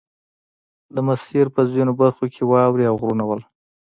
د مسیر په ځینو برخو کې واورې او غرونه وو